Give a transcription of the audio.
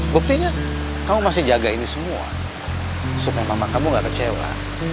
buktinya kamu masih jaga ini semua supaya mama kamu gak kecewa